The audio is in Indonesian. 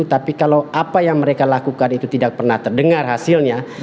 tapi kalau apa yang mereka lakukan itu tidak pernah terdengar hasilnya